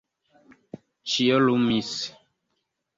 Ĉio lumis.